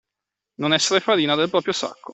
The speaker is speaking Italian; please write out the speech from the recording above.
Non essere farina del proprio sacco.